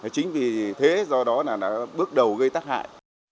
chính vì thế do đó bước đầu gây tác hại